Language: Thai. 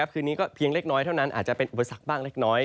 คืนนี้ก็เพียงเล็กน้อยเท่านั้นอาจจะเป็นอุปสรรคบ้างเล็กน้อย